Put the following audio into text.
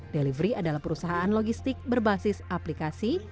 delivery adalah perusahaan logistik berbasis aplikasi